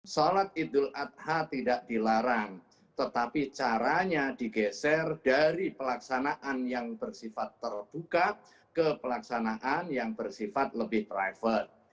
sholat idul adha tidak dilarang tetapi caranya digeser dari pelaksanaan yang bersifat terbuka ke pelaksanaan yang bersifat lebih private